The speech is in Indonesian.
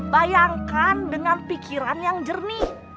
bayangkan dengan pikiran yang jernih